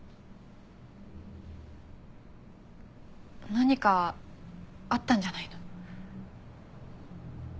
何かあったんじゃないの？